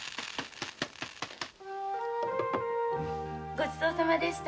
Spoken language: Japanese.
ごちそう様でした。